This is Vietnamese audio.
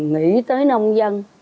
nghĩ tới nông dân